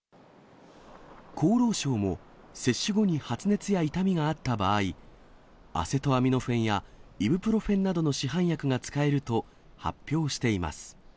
厚労省も、接種後に発熱や痛みがあった場合、アセトアミノフェンやイブプロフェンなどの市販薬が使えると発表しています。